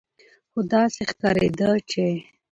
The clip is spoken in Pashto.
خو داسې ښکارېده چې